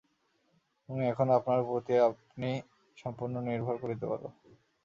তুমি এখন আপনার প্রতি আপনি সম্পূর্ণ নির্ভর করিতে পার।